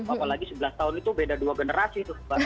apalagi sebelas tahun itu beda dua generasi tuh